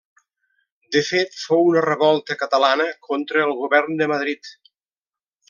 De fet fou una revolta catalana contra el govern de Madrid.